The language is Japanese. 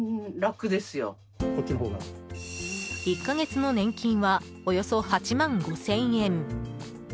１か月の年金はおよそ８万５０００円。